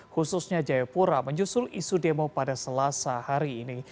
khususnya jayapura menyusul isu demo pada selasa hari ini